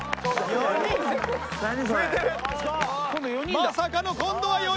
まさかの今度は４人！